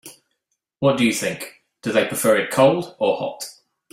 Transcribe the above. What do you think, do they prefer it cold or hot?